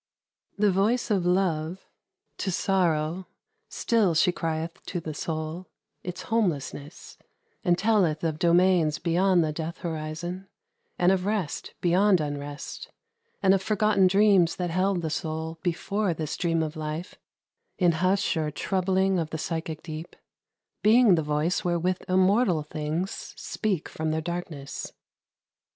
The voice of Love 95 MUSIC. To Sorrow, still she crieth to the soul Its homelessness, and telleth of domains Beyond the death horizon, and of rest Beyond unrest, and of forgotten dreams That held the soul before this dream of life, In hush or troubling of the psychic deep, Being the voice wherewith immortal things Speak from their darkness.